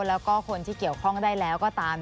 แล้วก็คนที่เกี่ยวข้องได้แล้วก็ตาม